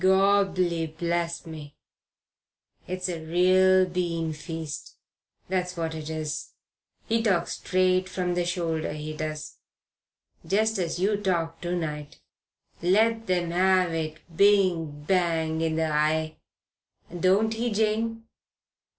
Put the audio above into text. Gorbli bless me, it's a real bean feast that's what it is. He talks straight from the shoulder, he does, just as you talked to night. Lets 'em 'ave it bing bang in the eye. Don't he, Jane?"